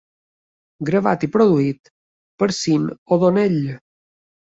Gravat i produït per Sean O'Donnell.